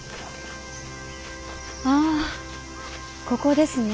あここですね。